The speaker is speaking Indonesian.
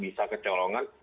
jadi bisa kecolongan